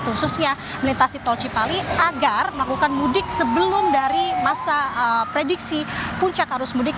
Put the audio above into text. khususnya melintasi tol cipali agar melakukan mudik sebelum dari masa prediksi puncak arus mudik